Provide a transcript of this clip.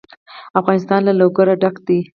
افغانستان له لوگر ډک دی.